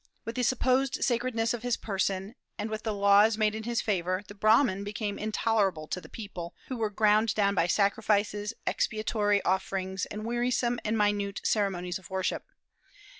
With the supposed sacredness of his person, and with the laws made in his favor, the Brahman became intolerable to the people, who were ground down by sacrifices, expiatory offerings, and wearisome and minute ceremonies of worship.